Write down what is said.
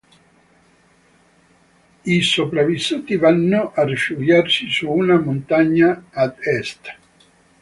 I sopravvissuti vanno a rifugiarsi su una montagna ad Est.